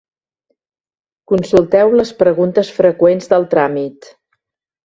Consulteu les preguntes freqüents del tràmit.